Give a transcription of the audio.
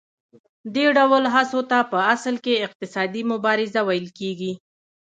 دې ډول هڅو ته په اصل کې اقتصادي مبارزه ویل کېږي